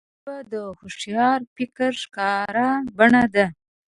ژبه د هوښیار فکر ښکاره بڼه ده